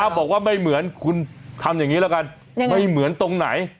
ถ้าบอกว่าไม่เหมือนคุณทำอย่างงี้แล้วกันยังไงไม่เหมือนตรงไหน